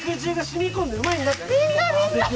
みんなみんな！